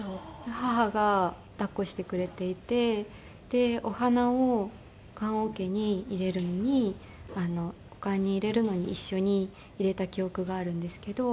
母が抱っこしてくれていてでお花を棺桶に入れるのにお棺に入れるのに一緒に入れた記憶があるんですけど。